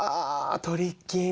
トリッキーな。